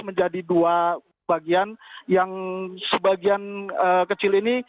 menjadi dua bagian yang sebagian kecil ini